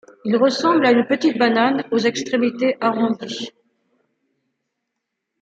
Il ressemble à une petite banane aux extrémités arrondies.